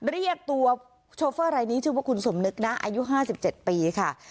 เรียกตัวโชเฟอร์รายนี้ชื่อว่าคุณสมนึกนะอายุ๕๗ปีค่ะ